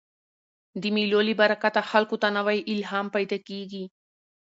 د مېلو له برکته خلکو ته نوی الهام پیدا کېږي.